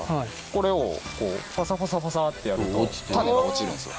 これをパサパサパサッてやると種が落ちるんですよ。